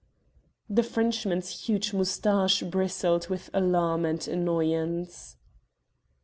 The Frenchman's huge moustache bristled with alarm and annoyance.